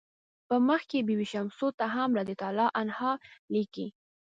په مخ کې بي بي شمسو ته هم "رضی الله عنه" لیکي.